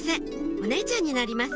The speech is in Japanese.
お姉ちゃんになります